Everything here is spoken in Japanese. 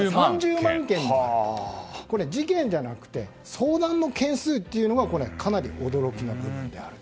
事件じゃなくて相談の件数というのがかなり驚きの部分であると。